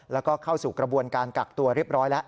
แล้วก็เข้าสู่กระบวนการกักตัวเรียบร้อยแล้ว